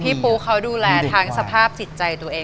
ปูเขาดูแลทั้งสภาพจิตใจตัวเอง